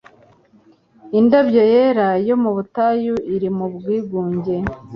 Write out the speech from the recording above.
indabyo yera yo mu butayu, iri mu bwigunge